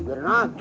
biarin aja lah tuh